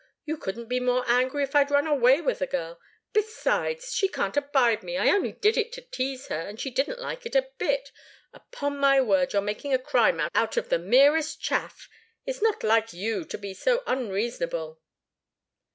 You couldn't be more angry if I'd run away with the girl. Besides she can't abide me. I only did it to tease her, and she didn't like it a bit upon my word, you're making a crime out of the merest chaff. It's not like you to be so unreasonable."